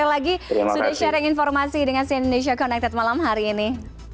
terima kasih udah sharing informasi dengan cnn news show connected malam hari ini